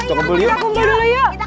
kita kumpul dulu yuk